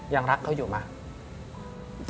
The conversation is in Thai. ยังรักเขาอยู่มั้ย